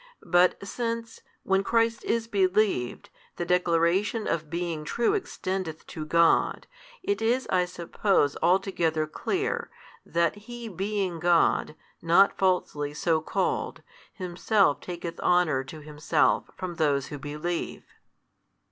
But since, when Christ is believed, the declaration of being true extendeth to God, it is I suppose altogether clear, that He being God, not falsely so called, Himself taketh honour to Himself from those who believe.